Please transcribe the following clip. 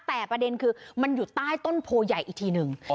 แต่ประเด็นคือมันอยู่ใต้ต้นโพใหญ่อีกทีหนึ่ง